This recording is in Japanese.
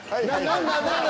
何だ？